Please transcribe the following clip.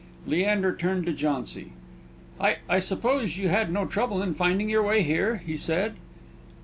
Leander turned to Jauncy. "I I suppose you had no trouble in finding your way here?" he said.